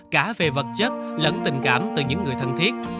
cả về vật chất lẫn tình cảm từ những người thân thiết